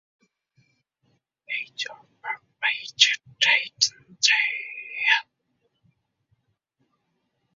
Sizdagi alanga va tutun shamolga ozor bera oladimi?